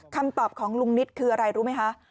คำตอบของลุงนิดคืออะไรรู้ไหมคะ